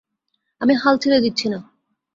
আমি হাল ছেড়ে দিচ্ছি না।